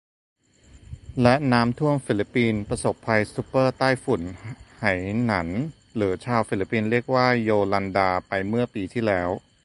และน้ำท่วม ฟิลิปปินส์ประสบภัยซุปเปอร์ใต้ฝุ่นไหหนาน หรือชาวฟิลิปปินส์เรียกว่าโยลันดา ไปเมื่อปีที่แล้ว